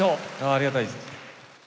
ありがたいです。